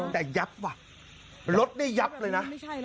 แต่หยับว่ะรถได้หยับเลยนะ